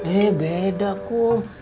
eh beda kum